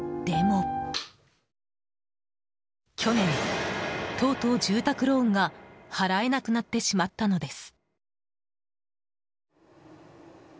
去年、とうとう住宅ローンが払えなくなってしまったのです。